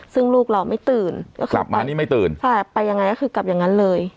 ซึ่งลูกเราไม่ตื่นกลับมานี่ไม่ตื่นใช่ไปยังไงก็คือกลับอย่างนั้นเลย